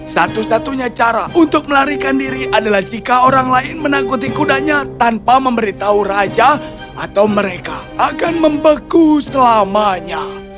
satu satunya cara untuk melarikan diri adalah jika orang lain menakuti kudanya tanpa memberitahu raja atau mereka akan membeku selamanya